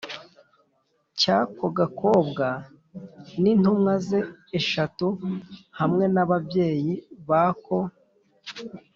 Cy ako gakobwa n intumwa ze eshatu hamwe n ababyeyi bako